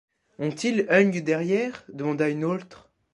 Ont-ils ung derrière? demanda une aultre.